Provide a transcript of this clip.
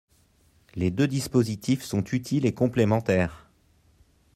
Les deux dispositifs sont utiles et complémentaires.